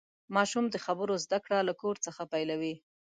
ماشوم د خبرو زدهکړه له کور څخه پیلوي.